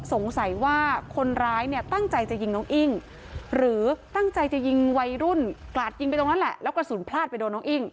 สงสัยว่าคนร้ายเนี่ยตั้งใจจะยิงน้องอิ้งหรือตั้งใจจะยิงวัยรุ่นกราดยิงไปตรงนั้นแหละแล้วกระสุนพลาดไปโดนน้องอิ้ง